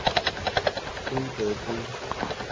粉雞胿